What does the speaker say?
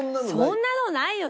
そんなのないよ！